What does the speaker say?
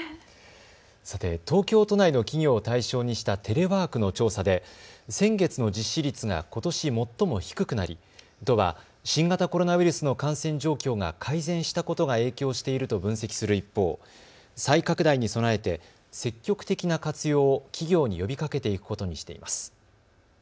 さて東京都内の企業を対象にしたテレワークの調査で先月の実施率がことし最も低くなり、都は新型コロナウイルスの感染状況が改善したことが影響していると分析する一方、再拡大に備えて積極的な活用を企業に呼びかけていくことにしています。